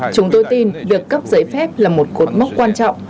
chúng tôi tin việc cấp giấy phép là một cột mốc quan trọng